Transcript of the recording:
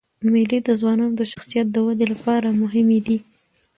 مېلې د ځوانانو د شخصیت د ودي له پاره مهمي دي.